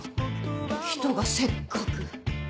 人がせっかく。